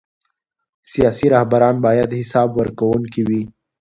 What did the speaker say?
سیاسي رهبران باید حساب ورکوونکي وي